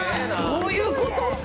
どういうこと！？